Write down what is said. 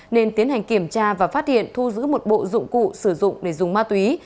nên tiến hành kiểm tra và phát hiện thu giữ một bộ dụng cụ sử dụng để dùng ma túy